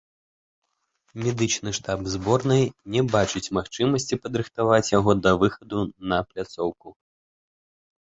Медычны штаб зборнай не бачыць магчымасці падрыхтаваць яго да выхаду на пляцоўку.